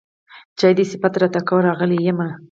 چا دې صفت راته کاوه راغلی يمه